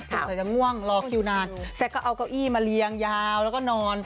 กว่าจะง่วงรอคิวนานแซ็กก็เอาเก้าอี้มาเรียงยาวแล้วก็นอน